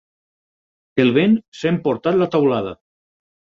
El vent s'ha emportat la teulada.